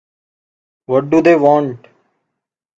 What do they want?